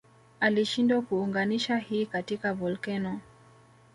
Alishindwa kuunganisha hii katika volkeno